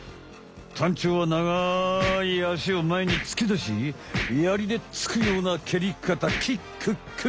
タンチョウはながい足をまえに突き出し槍で突くような蹴りかたキックック。